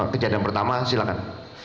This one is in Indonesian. kejadian pertama silahkan